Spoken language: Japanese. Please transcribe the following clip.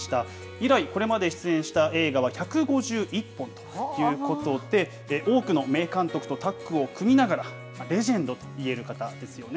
以来、これまで出演した映画は１５１本ということで、多くの名監督とタッグを組みながら、レジェンドといえる方ですよね。